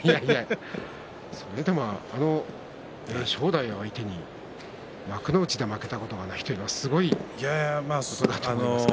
それでも正代を相手に幕内で負けたことがないというのはすごいですよ。